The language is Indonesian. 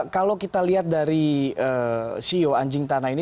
kalau kita lihat dari sio anjing tanah ini